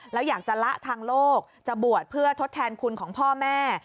แล้วอยากจะละทางโลกจะบวชเพื่อทดแทนคุณของพ่อแม่